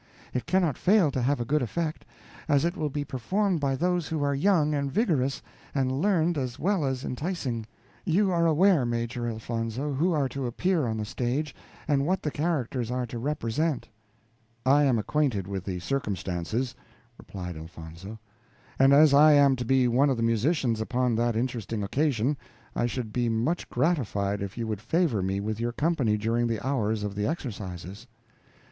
It cannot fail to have a good effect, as it will be performed by those who are young and vigorous, and learned as well as enticing. You are aware, Major Elfonzo, who are to appear on the stage, and what the characters are to represent." "I am acquainted with the circumstances," replied Elfonzo, "and as I am to be one of the musicians upon that interesting occasion, I should be much gratified if you would favor me with your company during the hours of the exercises."